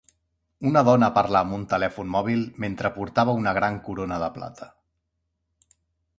Una dona parla amb un telèfon mòbil mentre portava una gran Corona de plata.